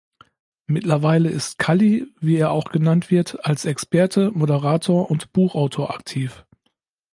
Mittlerweile ist Calli, wie er auch genannt wird, als Experte, Moderator und Buchautor aktiv.